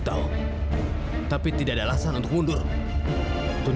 saat ini aku halorang tahu dia ber